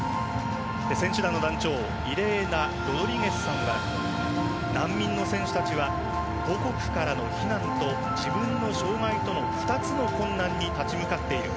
選手団の団長イレーナ・ロドリゲスさんは難民の選手たちは母国からの避難と自分の障がいとの２つの困難に立ち向かっている。